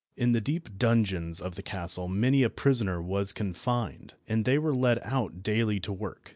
In the deep dungeons of the castle many a prisoner was confined, and they were led out daily to work.